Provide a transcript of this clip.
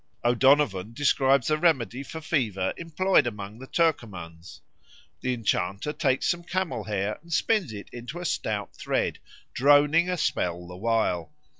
O'Donovan describes a remedy for fever employed among the Turcomans. The enchanter takes some camel hair and spins it into a stout thread, droning a spell the while.